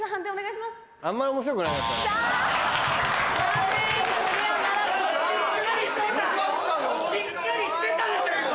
しっかりしてたでしょ今！